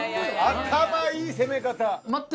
頭いい攻め方！